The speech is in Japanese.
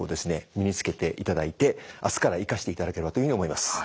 身につけていただいて明日から生かしていただければというように思います。